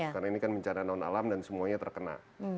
karena ini kan bencana non alam dan semuanya terkena